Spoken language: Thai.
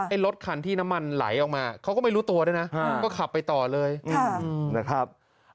รถคันที่น้ำมันไหลออกมาเขาก็ไม่รู้ตัวด้วยนะก็ขับไปต่อเลยนะครับ